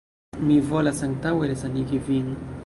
Mi volas antaŭe resanigi vin.